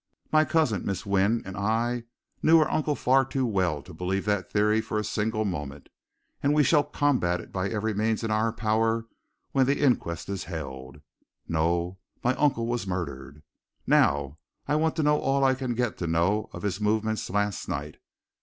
My cousin, Miss Wynne, and I knew our uncle far too well to believe that theory for a single moment, and we shall combat it by every means in our power when the inquest is held. No my uncle was murdered! Now I want to know all I can get to know of his movements last night.